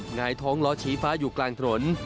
หงายท้องล้อชี้ฟ้าอยู่กลางถนน